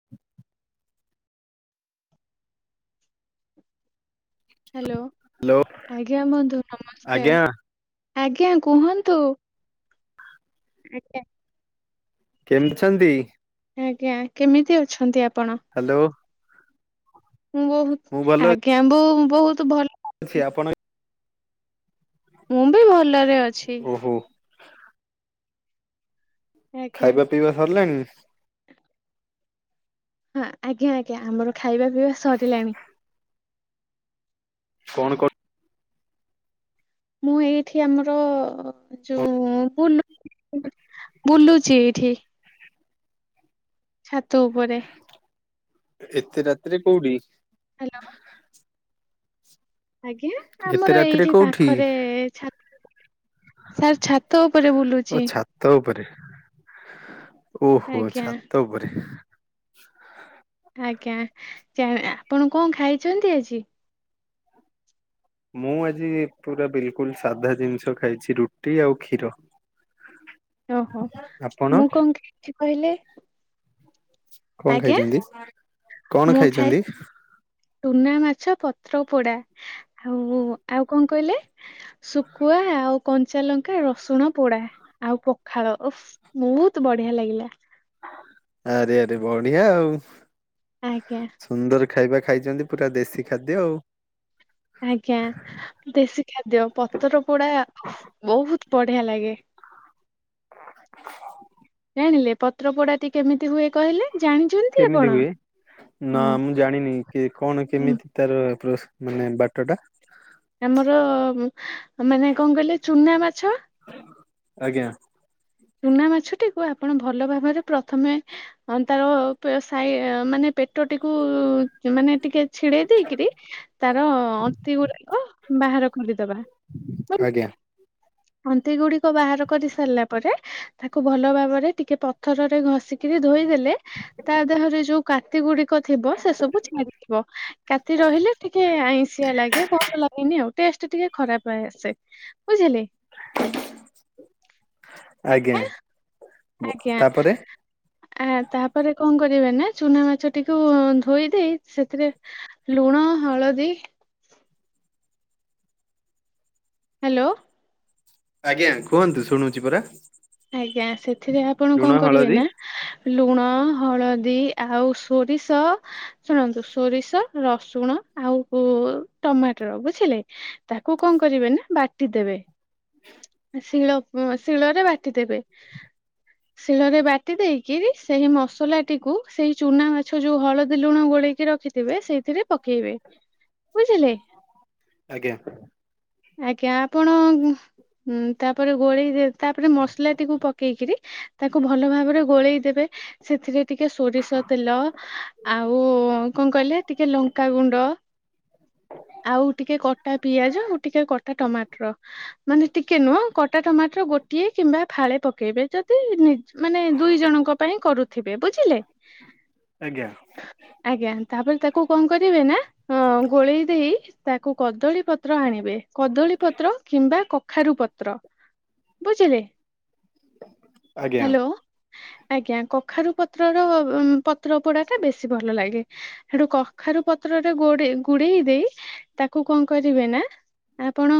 [inaudible] Hello hello ଆଜ୍ଞା ବନ୍ଧୁ ଆଜ୍ଞା ନମସ୍କାର। ଆଜ୍ଞା କୁହନ୍ତୁ। ଆଜ୍ଞା କେମିତି ଅଛନ୍ତି? ଆଜ୍ଞା କେମିତି ଅଛନ୍ତି ଆପଣ? ହ୍ୟାଲୋ ମୁଁ ବହୁ ମୁଁ ଭଲ କେମ୍ବୁ ବହୁତ ଭଲ ଅଛି ଆପଣ ମୁଁ ବି ଭଲରେ ଅଛି। ଓହୋ ଆଜ୍ଞା ଖାଇବା ପିଇବା ସରିଲାଣି? ହଁ ଆଜ୍ଞା ଆଜ୍ଞା ଆମର ଖାଇବା ପିଇବା ସରିଲାଣି। କଣ କ ମୁଁ ଏଇଠି ଆମର। ଯଉ ବୁଲୁ ବୁଲୁଚି ଏଇଠି। ଛାତ ଉପରେ। ଏତେ ରାତିରେ କୋଉଠି? ହ୍ୟାଲୋ ଆଜ୍ଞା ଏତେ ଆମର ରାତିରେ ଏଇଠି କୋଉଠି ପାଖରେ ଛା ସାର୍ ଛାତ ଉପରେ ଓ ବୁଲୁଚି। ଛାତ ଉପରେ, ଓହୋ ଆଜ୍ଞା ଛାତ ଉପରେ। ଆଜ୍ଞା, ଆପଣ କଣ ଖାଇଛନ୍ତି ଆଜି? ମୁଁ ଆଜି ପୁରା ବିଲକୁଲ ସାଧା ଜିନିଷ ଖାଇଛି, ରୁଟି ଆଉ କ୍ଷୀର। [unintelligible] ଓହୋ, ଆପଣ ମୁଁ କଣ ଖାଇଛି କହିଲେ? କଣ ଆଜ୍ଞା ଖାଇଛନ୍ତି, କଣ ଖାଇଛନ୍ତି? ଚୁନାମାଛ ପତ୍ରପୋଡା, ଆଉ ଆଉ କଣ କହିଲେ? ଶୁଖୁଆ ଆଉ କଞ୍ଚାଲଙ୍କା ରସୁଣ ପୋଡା, ଆଉ ପଖାଳ। ଓଃ ବହୁତ ବଢିଆ ଲାଗିଲା। ଆରେ ଆରେ ବଢିଆ ଆଉ। ଆଜ୍ଞା। ସୁନ୍ଦର ଖାଇବା ଖାଇଛନ୍ତି, ପୁରା ଦେଶୀ ଖାଦ୍ୟ ଆଉ। ଆଜ୍ଞା, ଦେଶୀ ଖାଦ୍ୟ ପତର ପୋଡା ଓଃ ବହୁତ ବଢିଆ ଲାଗେ। [unintelligible] ଜାଣିଲେ ପତ୍ର ପୋଡାଟି କେମିତି ହୁଏ କହିଲେ? ଜାଣି କେମିତି ହୁଏ? ନା ମୁଁ ଜାଣିନି କି କଣ ହୁଁ। କେମିତି ତାର ପ୍ରସ ମାନେ ବାଟଟା। ଆମର ମାନେ କଣ କହିଲେ, ଚୁନା ମାଛ ଆଜ୍ଞା। ଚୁନା ମାଛଟିକୁ ଆପଣ ଭଲ ଭାବରେ ପ୍ରଥମେ ଅନ୍ତା କ ତା ଉପରେ ସାଇ ମାନେ ପେଟଟିକୁ ମାନେ ଟିକେ ଛିଡେଇ ଦେଇକିରି, ତାର ଅନ୍ତି ଗୁଡାକ ବାହାର କରିଦବା ଆଜ୍ଞା ବୁଝିଲେ, ଅନ୍ତି ଗୁଡିକ ବାହାର କରି ସାରିଲା ପରେ ତାକୁ ଭଲ ଭାବରେ ଟିକେ ପଥରରେ ଘଷିକିରି ଧୋଇଦେଲେ ତା ଦେହରେ ଯୋଉ କାତି ଗୁଡି କ ଥିବ ସେ ସବୁ ଛାଡ଼ି ଯିବ। କାତି ରହିଲେ ଟିକେ ଆଇଁସିିଆ ଲାଗେ ଭଲ ଲାଗେନି ଆଉ। ଟେଷ୍ଟ ଟିକେ ଖରାପ ଆସେ ବୁଝିଲେ। ଆଜ୍ଞା ଆଜ୍ଞା ତାପରେ ଆ ତାପରେ କଣ କରିବେ ନା, ଚୁନା ମାଛଟିକୁ ଧୋଇ ଦେଇ ସେଥିରେ ଲୁଣ, ହଳଦୀ ହାଲୋ। ଆଜ୍ଞା କୁହନ୍ତୁ ଶୁଣୁଛି ପରା। ଆଜ୍ଞା ସେଥିରେ ଆପଣ ଲୁଣ କଣ ହଳଦୀ କରିବେନା ଲୁଣ, ହଳଦୀ, ଆଉ ସୋରିଷ ଶୁଣନ୍ତୁ ସୋରିଷ, ରସୁଣ, ଆଉ ଟମାଟର ବୁଝିଲେ। ତାକୁ କଣ କରିବେ ନା ବାଟି ଦେବେ, ଶିଳ ଶିଳରେ ବା ଟି ଦେବେ। [unintelligible] ଶିଳରେ ବାଟି ଦେଇକିରି ସେହି ମସଲାଟିକୁ ସେଇ ଚୁନାମାଛ ଯୋଉ ହଳଦୀ ଲୁଣ ଗୋଳେଇକି ରଖି ଥିବେ, ସେଇଥିରେ ପକେଇବେ ବୁଝିଲେ। ଆଜ୍ଞା। ଆଜ୍ଞା ଆପଣ ତାପରେ ଗୋଳେଇ ତାପରେ ମ ମସଲାଟିକୁ ପକେଇକିରି ତାକୁ ଭଲ ଭାବରେ ଗୋଳେଇ ଦେବେ। ସେଥିରେ ଟିକେ ସୋରିଷ ତେଲ ଆଉ କଣ କହିଲେ ଟିକେ ଲଙ୍କାାଗୁଣ୍ଡ [inaudible] ଆଉ ଟିକେ କଟା ପିଆଜ ଆଉ ଟିକେ କଟା ଟମାଟର ମାନେ ଟିକେ ନୁହଁ କଟା ଟମାଟର ଗୋଟିଏ କିମ୍ବା ଫାଳେ ପକେଇବେ ଯଦି ମାନେ ଦୁଇ ଜଣଙ୍କ ପାଇଁ କରୁଥିବେ ବୁଝିଲେ। ଆଜ୍ଞା ଆଜ୍ଞା ତାପରେ ତାକୁ କଣ କରିବେ ନା ଗୋଳେଇ ଦେଇ ତାକୁ କଦଳୀ ପତ୍ର ଆଣିବେ କଦଳୀ ପତ୍ର କିମ୍ବା କଖାରୁ ପତ୍ର ବୁଝିଲେ। ଆଜ୍ଞା ହାଲୋ ଆଜ୍ଞା କ କଖାରୁ ପତ୍ରର ପତ୍ର ପୋଡା ଟା ବେଶୀ ଭଲ ଲାଗେ। ସେଠୁ କଖାରୁ ପତ୍ରରେ ଗୋଡେଇ ଗୋଡେଇ ଦେଇ ତାକୁ କଣ କରିବେ ନା ଆପଣ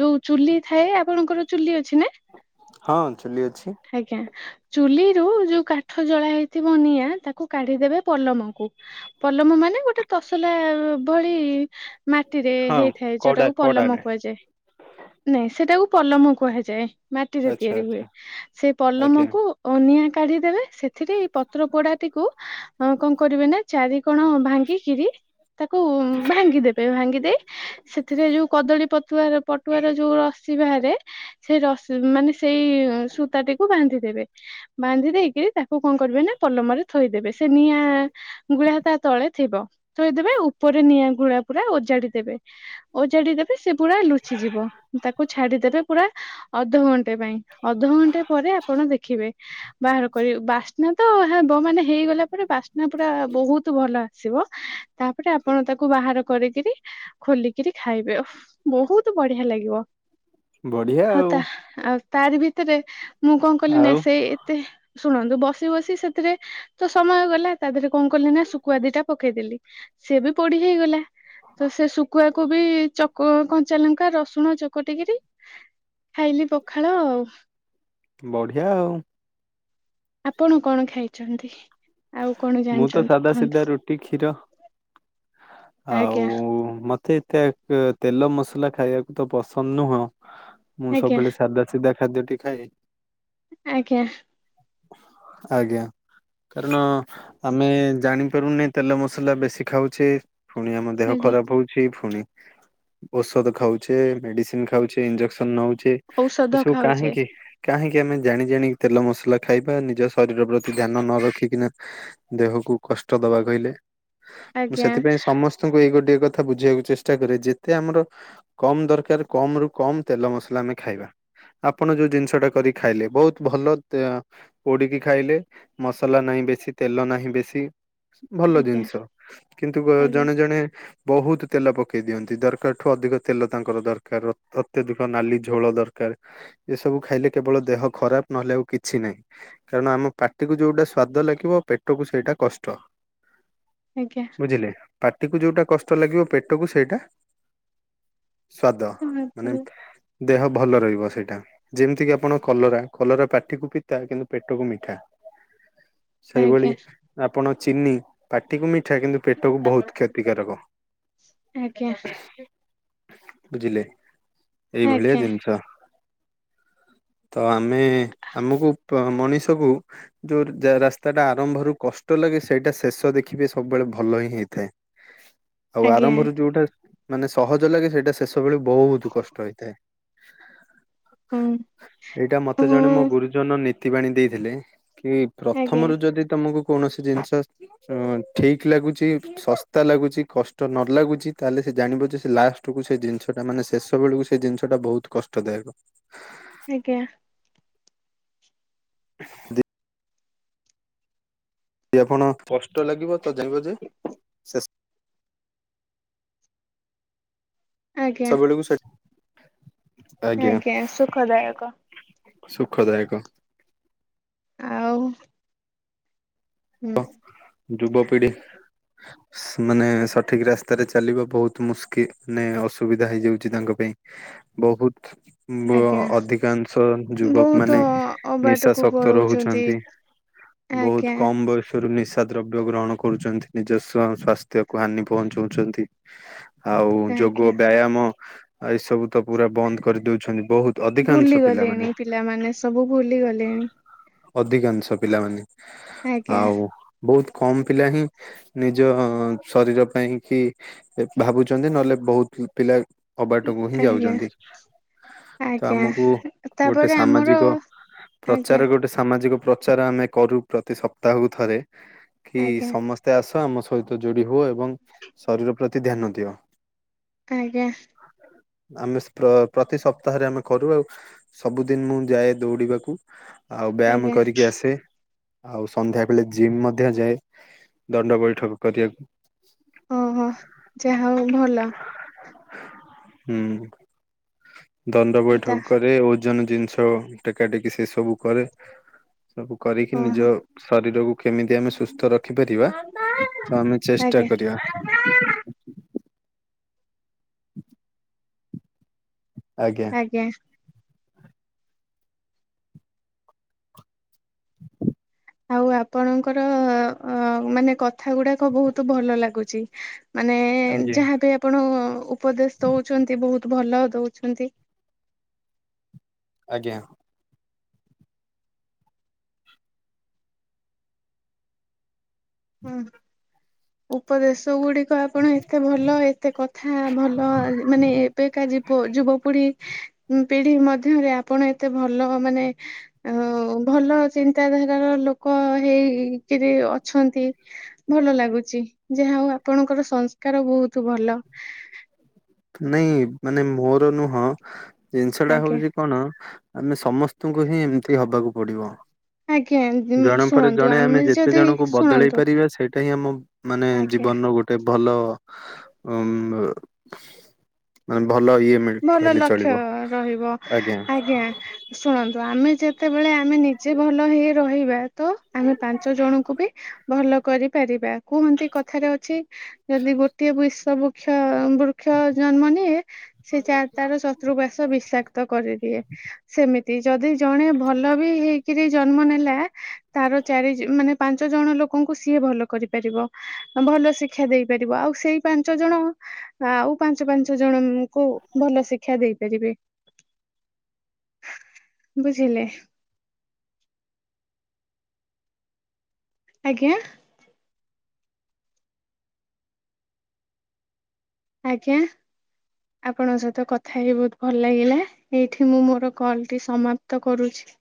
ଯୋଉ ଚୁଲି ଥାଏ ଆପଣଙ୍କର ଚୁଲି ଅଛି ନା। ହଁ ଚୁଲି ଅଛି। ଆଜ୍ଞା। ଚୁଲିରୁ ଯୋଉ କାଠ ଜଳା ହେଇଥିବ ନିଆଁ ତାକୁ କାଢିଦେବେ ପଲମକୁ। ପଲମ ମାନେ ଗୋଟେ ତସଲା ଭଳି ମାଟିରେ ହଁ ହେଇଥାଏ କଡା ଯୋଉଟାକୁ ପଲମ କଡାରେ କୁହାଯାଏ। ନାଇଁ ସେଟାକୁ ପଲମ କୁହାଯାଏ ମାଟିରେ ଆଚ୍ଛା ତିଆରି ହୁଏ ଆଚ୍ଛା ସେ ଆଜ୍ଞା ପଲମକୁ ଓ ନିଆଁ କାଢିଦେବେ ସେଥିରେ ଏଇ ପତ୍ର ପୋଡାଟିକୁ ଅ କଣ କରିବେ ନା ଚାରି କଣ ଭାଙ୍ଗିକିରି ତାକୁ ଭାଙ୍ଗିଦେବେ ଭାଙ୍ଗି ଦେଇ ସେଥିରେ ଯୋଉ କଦଳୀ ପଟୁଆର ପଟୁଆର ଯୋଉ ରସି ବାହାରେ ସେ ରସି ମାନେ ସେଇ ସୂତାଟିକୁ ବାନ୍ଧି ଦେବେ ବାନ୍ଧି ଦେଇକି ତାକୁ କଣ କରିବେ ନା ପଲମରେ ଥୋଇଦେବେ ସେ ନିଆଁ ଗୁଡା ତା ତଳେ ଥିବ। ଥୋଇଦେବେ ଉପରେ ନିଆଁ ଘୁଳା ପୁରା ଓଜାଡିଦେବେ। ଓଜାଡି ଦେବେ ସେ ପୁରା ଲୁଚିଯିବ ତାକୁ ଛାଡିଦେବେ ପୁରା ଅଧଘଣ୍ଟେ ପାଇଁ ଅଧଘଣ୍ଟେ ପରେ ଆପଣ ଦେଖିବେ। ବାହାର କରି ବାସ୍ନା ତ ହେବ ମାନେ ହେଇଗଲା ପରେ ବାସ୍ନା ପୁରା ବହୁତ ଭଲ ଆସିବ। ତାପରେ ଆପଣ ତାକୁ ବାହାର କରିକିରି ଖୋଲିକିରି ଖାଇବେ ଓହ ବହୁତ ବଢିଆ ଲାଗିବ। ବଢିଆ। ଆଉ ତା ଆଉ ତାରି ଭିତରେ ମୁଁ କଣ କଲି ନା ଆଉ ସେଇ ଏତେ ଶୁଣନ୍ତୁ ବସି ବସି ସେଥିରେ ତ ସମୟ ଗଲା ତା ଦେହରେ କଣ କଲି ନା ଶୁଖୁଆ ଦିଟା ପକେଇଦେଲି। ସେ ବି ପୋଡି ହେଇଗଲା। ତ ସେ ଶୁଖୁଆ କୁ ବି ଚକ କଞ୍ଚା ଲଙ୍କା ରସୁଣ ଚୋକଟିକିରି ଖାଇଲି ପଖାଳ ଆଉ। ବଢିଆ ଆଉ। ଆପଣ କଣ ଖାଇଛନ୍ତି ଆଉ କଣ ମୁଁ ତ ଜାଣିଛନ୍ତି ସାଧା ସିଧା କୁହନ୍ତୁ? ରୁଟି କ୍ଷୀର ଆଉ ଆଜ୍ଞା ମତେ ମତେ ତେଲ ମସଲା ଖାଇବାକୁ ତ ପସନ୍ଦ ନୁହଁ ମୁଁ ଆଜ୍ଞା ସବୁବେଳେ ସାଧା ସିଧା ଖାଦ୍ୟଟି ଖାଏ। ଆଜ୍ଞା। ଆଜ୍ଞା। କାରଣ ଆମେ ଜାଣିପାରୁନେ ତେଲ ମସଲା ବେଶୀ ଖାଉଛେ। ପୁଣି ଆମ ଦେହ ଆଜ୍ଞା ଖରାପ ହଉଛି ଫୁଣି ଔଷଧ ଖାଉଛେ ମେଡିସିନ ଖାଉଛେ ଇଞ୍ଜେକ୍ସନ ନଉଛେ ଔଷଧ ଏସବୁ ଖାଉଛେ କାହିଁକି? କାହିଁକି ଆମେ ଜାଣି ଜାଣି ତେଲ ମସଲା ଖାଇବା ନିଜ ଶରୀର ପ୍ରତି ଧ୍ୟାନ ନ ରଖିକିନା ଦେହକୁ କଷ୍ଟ ଦବା କହିଲେ ମୁଁ ଆଜ୍ଞା ସେଥିପାଇଁ ସମସ୍ତଙ୍କୁ ଏଇ ଗୋଟେ କଥା ବୁଝେଇବାକୁ ଚେଷ୍ଟା କରେ ଯେତେ ଆମର କମ୍ ଦରକାର କମ ରୁ କମ୍ ତେଲ ମସଲା ଆମେ ଖାଇବା। ଆପଣ ଯୋଉ ଜିନିଷ ଟା କରି ଖାଇଲେ ବୋହୁତ ଭଲ ପୋଡିକି ଖାଇଲେ ମସଲା ନାହିଁ ବେଶୀ ତେଲ ନାହିଁ ବେଶୀ ଭଲ ଆଜ୍ଞା ଜିନିଷ କିନ୍ତୁ ଆଜ୍ଞା ଜଣେ ଜଣେ ବୋହୁତ ତେଲ ପକେଇ ଦିଅନ୍ତି ଦରକାରଠୁ ଅଧିକ ତେଲ ତାଙ୍କର ଦରକାର ଅତ୍ୟଧିକ ନାଲି ଝୋଳ ଦରକାର। ଏ ସବୁ ଖାଇଲେ କେବଳ ଦେହ ଖରାପ ନହେଲେ ଆଉ କିଛି ନାହିଁ। କାରଣ ଆମ ପାଟିକୁ ଯୋଉଟା ସ୍ଵାଦ ଲାଗିବ ପେଟକୁ ସେଇଟା କଷ୍ଟ। ଆଜ୍ଞା। ବୁଝିଲେ ପାଟିକୁ ଯୋଉଟା କଷ୍ଟ ଲାଗିବ ପେଟକୁ ସେଇଟା ସ୍ଵାଦ, ଆଜ୍ଞା ମାନେ ଦେହ ଭଲ ରହିବ ସେଇଟା। ଯେମିତି କିି ଆପଣ କଲରା କଲରା ପାଟିକୁ ପିତା କିନ୍ତୁ ପେଟକୁ ମିଠା। ସେଇଭଳି ଆଜ୍ଞା ଆପଣ ଚିନି ପାଟିକୁ ମିଠା କିନ୍ତୁ ପେଟକୁ ବହୁତ କ୍ଷତିକାରକ ଆଜ୍ଞା ବୁଝିଲେ। ଏଇ ଭଳିଆ ଜିନିଷ। ତ ଆମେ ଆମକୁ ମଣିଷକୁ ଯୋଉ ରାସ୍ତା ଟା ଆରମ୍ଭରୁ କଷ୍ଟ ଲାଗେ ସେଇଟା ଶେଷ ଦେଖିବେ ସବୁବେଳେ ଭଲ ହିଁ ହେଇଥାଏ। ଆଉ ଆଜ୍ଞା ଆରମ୍ଭରୁ ଯୋଉଟା ମାନେ ସହଜ ଲାଗେ ସେଇଟା ଶେଷ ବେଳେ ବହୁତ କଷ୍ଟ ହେଇଥାଏ। [unintelligible] ହଁ। ଏଇଟା ମତେ ଜଣେ ମୋ ହଁ ଗୁରୁଜନ ନୀତି ବାଣୀ ଦେଇଥିଲେ କି ଆଜ୍ଞା ପ୍ରଥମରୁ ଯଦି ତମକୁ କୌଣସି ଜିନିଷ ଠିକ ଲାଗୁଛି [unintelligible] ଶସ୍ତା ଲାଗୁଛି କଷ୍ଟ ନ ଲାଗୁଛି ତାହେଲେ ସେ ଜାଣିବ ଯେ ସେ ଲାଷ୍ଟକୁ ସେ ଜିନିଷଟା ମାନେ ଶେଷ ବେଳକୁ ସେ ଜିନିଷଟା ବହୁତ କଷ୍ଟଦାୟକ। ଆଜ୍ଞା। ଦ [unintelligible] ଶେଷ ଆଜ୍ଞା [unintelligible] ଆଜ୍ଞା ସୁଖଦାୟକ। ଆଉ। ହୁଁ [unintelligible] ମାନେ ସଠିକ ରାସ୍ତାରେ ଚାଲିବା ବହୁତ [unintelligible] ମାନେ ଅସୁବିଧା ହେଇଯାଉଛି ତାଙ୍କ ପାଇଁ। ବହୁତ। ଆଜ୍ଞା ଅଧିକାଂଶ ଯୁବକ ବହୁତ ମାନେ ନିଶା ଅବାଟକୁ ଶକ୍ତ ପଳଉଛନ୍ତି ରହୁଛନ୍ତି। ବହୁତ ଆଜ୍ଞା କମ ବୟ ସରୁ ନିଶା ଦ୍ରବ୍ୟ ଗ୍ରହଣ କରୁଛନ୍ତି ନିଜସ୍ଵ ସ୍ୱାସ୍ଥ୍ୟକୁ ହାନି ପହଞ୍ଚାଉଛନ୍ତି। ଆଉ ଯୋଗ ଆଜ୍ଞା ବ୍ୟାୟାମ ଏଇସବୁ ତ ପୁରା ବନ୍ଦ କରିଦଉଛନ୍ତି ବହୁତ। ଅଧିକାଂଶ ଭୁଲି ପିଲାମାନେ। ଗଲେଣି ପିଲାମାନେ ସବୁ ଭୁଲି ଗଲେଣି। ଅଧିକାଂଶ ପିଲାମାନେ ଆଜ୍ଞା ଆଉ ବହୁତ କମ ପିଲା ହିଁ ନିଜ ଶରୀର ପାଇଁ କି ଭାବୁଛନ୍ତି ନହେଲେ ବହୁତ ପିଲା ଅବାଟକୁ ହିଁ ଆଜ୍ଞା ଯାଉଛନ୍ତି। ତ ଆଜ୍ଞା ଆମକୁ ଗୋଟେ ତାପରେ ଆମର ସାମାଜିକ ଆଜ୍ଞା ପ୍ରଚାର ଗୋଟେ ସାମାଜିକ ପ୍ର ଚାର ଆମେ କରୁ ପ୍ରତି ସପ୍ତାହକୁ ଥରେ କି ଆଜ୍ଞା ସମସ୍ତ ତେ ଆସ ଆମ ସହିତ ଯୋଡି ହୁଅ ଏବଂ ଶରୀର ପ୍ରତି ଧ୍ୟାନଦିଅ। ଆଜ୍ଞା। ଆମେ ସ୍ପ୍ର-ପ୍ରତି ସପ୍ତାହରେ ଆମେ କରୁ ଆଉ। ସବୁଦିନ୍ ମୁଁ ଯାଏ ଦୌଡିବାକୁ ଆଉ ବ୍ୟାୟାମ ଆଜ୍ଞା କରିକି ଆସେ ଆଉ ସନ୍ଧ୍ୟା ବେଳେ ଜିମ୍ ମଧ୍ୟ ଯାଏ ଦଣ୍ଡ ବୈଠକ କରିବାକୁ। ଓହୋ ଯାହା ହଉ ଭଲ। ହୁଁ ଦଣ୍ଡ ବୈଠକ ତା କରେ ଓଜନ ଜିନିଷ ଟେକା ଟେକି ସେ ସବୁ କରେ ସବୁ କରିକି ଓହୋ ନିଜ ଶରୀରକୁ କେମିତି ଆମେ ସୁସ୍ଥ ରଖିପାରିବା ତ ଆମେ ଚେଷ୍ଟା ଆଜ୍ଞା କରିବା। [unintelligible] ଆଜ୍ଞା। ଆଜ୍ଞା। ଆଉ ଆପଣଙ୍କର ଅ ମାନେ କଥା ଗୁଡାକ ବହୁତୁ ଭଲ ଲାଗୁଚି। ମାନେ ଆଜ୍ଞା। ଯାହାବି ଆପଣ ଉପଦେଶ୍ ଦଉଚନ୍ତି ବହୁତ୍ ଭଲ ଦଉଛନ୍ତି। ଆଜ୍ଞା। ହୁଁ ଉପଦେଶ୍ ଗୁଡିକ ଆପଣ ଏତେ ଭଲ ଏତେ କଥା ଭଲ ମାନେ ଏବେକା ଯିବ-ଯୁବପିଢି ପିଢି ମଧ୍ୟରେ ଆପଣ ଏତେ ଭଲ ମାନେ ଆଉ ଭଲ ଚିନ୍ତାଧାରାର ଲୋକ ହେଇ-କିରି ଅଛନ୍ତି ଭଲ ଲାଗୁଚି, ଯାହାହଉ ଆପଣଙ୍କର ସଂସ୍କାର ବହୁତ ଭଲ। ନାଇଁ ମାନେ ମୋର ନୁହଁ ଜିନିଷଟା ଆଜ୍ଞା। ହଉଚି କଣ ଆମେ ସ୍ ସମସ୍ତୁଙ୍କୁ ହିଁ ଏମତି ହବାକୁ ପଡିବ। ଆଜ୍ଞା ଜଣ ପରେ ଶୁଣନ୍ତୁ ଜଣେ ଆମେ ଯେତେ ଯଦି ଜଣଙ୍କୁ ବଦଳେଇ ଶୁଣନ୍ତୁ ପାରିବା ସେଇଟା ହିଁ ଆମ ମାନେ ଆଜ୍ଞା ଜୀବନର ଗୋଟ୍ ଟେ ଭଲ ଉଁ ଭଲ ଇଏ ମେ ଭଲ ଲକ୍ଷ୍ୟ ରହିବ ଆଜ୍ଞା। ଶୁଣନ୍ତୁ ଆମେ ଯେତେବେଳେ ଆମେ ନିଜେ ଭଲ ହେଇ ରହିବା ତ ଆମେ ପାଞ୍ଚ ଜଣଙ୍କୁ ବି ଭଲ କରିପାରିବା। କୁହନ୍ତି କଥାରେ ଅଛି ଯଦି ଗୋଟିଏ ବିଶ ବୃକ୍ଷ ବୃକ୍ଷ ଜନ୍ମ ନିଏ ସେ ଚା ତାର ସ ତୃବାସ ବିଷାକ୍ତ କରିଦିଏ। ସେମିତି ଯଦି ଜଣେ ଭଲ ବି ହେଇକିରି ଜନ୍ମ ନେଲା ତାର ଚାରିଜ ମାନେ ପାଞ୍ଚ ଜଣ ଲୋକଙ୍କୁ ସିଏ ଭଲ କରିପାରିବ ଭଲ ଶିକ୍ଷା ଦେଇପାରିବ ଆଉ ସେଇ ପାଞ୍ଚ ଜଣ ଆଉ ପାଞ୍ଚ ପାଞ୍ଚ ଜଣମ ଉମ୍ କୁ ଭଲ ଶିକ୍ଷା ଦେଇପାରିବେ ବୁଝିଲେ। ଆଜ୍ଞା? ଆଜ୍ଞା ଆପଣଙ୍କ ସହିତ କଥା ହେଇ ବହୁତ୍ ଭଲ୍ ଲାଗିଲା। ଏଇଠି ମୁଁ ମୋର କଲ୍ ଟି ସମାପ୍ତ କରୁଛି।